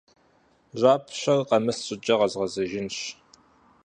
Жьапщэр къэмыс щӀыкӀэ къэзгъэзэжынщ.